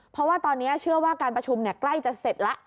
เพราะว่าตอนนี้เชื่อว่าการประชุมใกล้จะเสร็จแล้ว